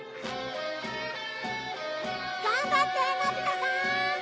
頑張ってのび太さん！